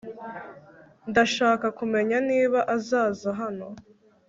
Ndashaka kumenya niba azaza hano